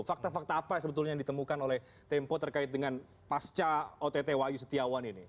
fakta fakta apa sebetulnya yang ditemukan oleh tempo terkait dengan pasca ott wahyu setiawan ini